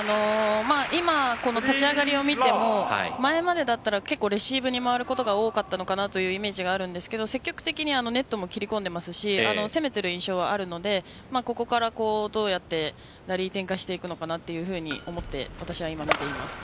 今、この立ち上がりを見ても前までだったらレシーブに回ることが多かったのかなというイメージがあるんですが積極的にネットも切り込んでいますし攻めている印象はあるのでここからどうやってラリー展開していくのかなと思って私は見ています。